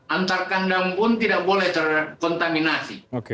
antar kandang pun tidak boleh terkontaminasi